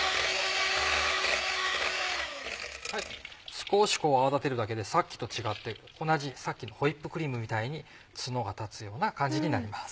少しこう泡立てるだけでさっきと違って同じさっきのホイップクリームみたいに角が立つような感じになります。